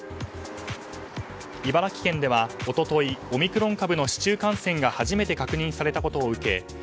茨城県では、一昨日オミクロン株の市中感染が初めて確認されたことを受け